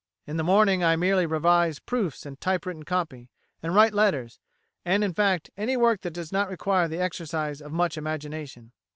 "In the morning I merely revise proofs and type written copy, and write letters, and, in fact, any work that does not require the exercise of much imagination.